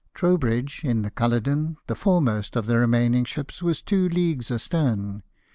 Trowbridge, in the Culloden, the foremost of the remaining ships, was two leagues astern.